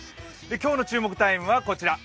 今日の注目タイムは、こちら。